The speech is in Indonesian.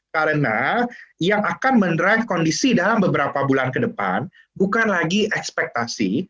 karena yang akan menerai kondisi dalam beberapa bulan ke depan bukan lagi ekspektasi